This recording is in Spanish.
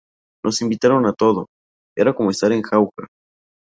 Nos invitaron a todo, era como estar en Jauja